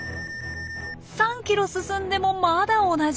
３キロ進んでもまだ同じ。